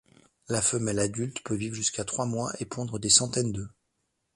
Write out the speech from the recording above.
La femelle adulte peut vivre jusqu'à trois mois et pondre des centaines d'œufs.